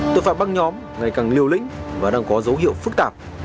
tội phạm băng nhóm ngày càng liều lĩnh và đang có dấu hiệu phức tạp